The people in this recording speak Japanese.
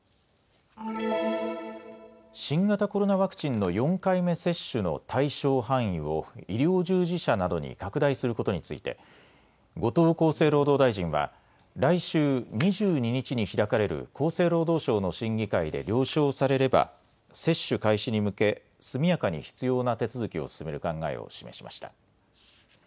新型コロナワクチンの４回目接種の対象範囲を医療従事者などに拡大することについて後藤厚生労働大臣は来週２２日に開かれる厚生労働省の審議会で了承されれば接種開始に向け速やかに必要な手続きを進める考えを示しました。